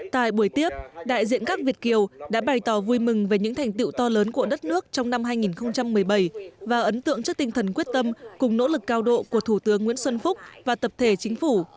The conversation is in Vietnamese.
tại buổi tiếp đại diện các việt kiều đã bày tỏ vui mừng về những thành tựu to lớn của đất nước trong năm hai nghìn một mươi bảy và ấn tượng trước tinh thần quyết tâm cùng nỗ lực cao độ của thủ tướng nguyễn xuân phúc và tập thể chính phủ